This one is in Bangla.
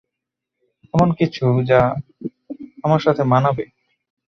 এমন কিছু যা আমার সাথে মানাবে।